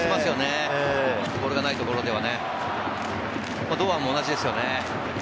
ボールがないところでは堂安も同じですよね。